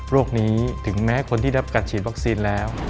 นี้ถึงแม้คนที่รับการฉีดวัคซีนแล้ว